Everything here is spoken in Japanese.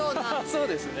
そうですね。